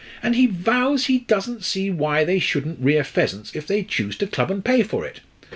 And he vows he doesn't see why they shouldn't rear pheasants if they choose to club and pay for it.